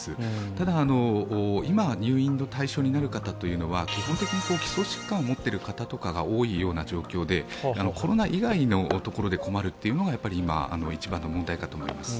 ただ、今、入院の対象になる方というのは基本的に基礎疾患を持っている方が多いような意識で、コロナ以外のところで困るというのが今一番の問題かと思います。